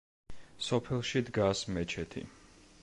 სოფელში დგას მეჩეთი.